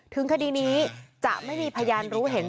ถึงคดีนี้จะไม่มีพยานรู้เห็น